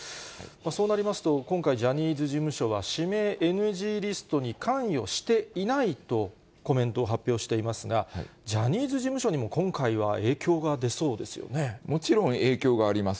そうなりますと、今回、ジャニーズ事務所は指名ＮＧリストに関与していないとコメントを発表していますが、ジャニーズ事務所にも、今回は影響が出そうでもちろん影響があります。